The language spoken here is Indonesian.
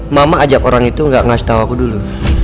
mama ajak orang itu gak ngasih tahu aku dulu